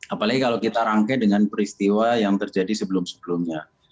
apalagi kalau kita rangkai dengan peristiwa yang terjadi sebelum sebelumnya